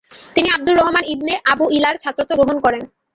তিনি Abdur Rahman ibn Abu ই’লার ছাত্রত্ব গ্রহণ করেন।